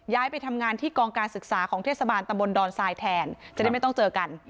ไปทำงานที่กองการศึกษาของเทศบาลตำบลดอนทรายแทนจะได้ไม่ต้องเจอกัน